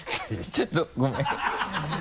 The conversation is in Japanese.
ちょっとごめん